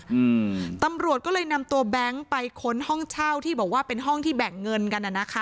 อืมตำรวจก็เลยนำตัวแบงค์ไปค้นห้องเช่าที่บอกว่าเป็นห้องที่แบ่งเงินกันน่ะนะคะ